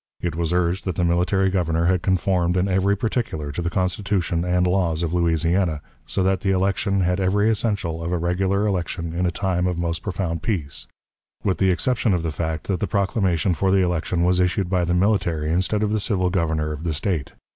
It was urged that the military Governor had conformed in every particular to the Constitution and laws of Louisiana, so that the election had every essential of a regular election in a time of most profound peace, with the exception of the fact that the proclamation for the election was issued by the military instead of the civil Governor of the State.